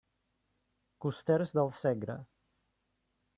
Costers del Segre.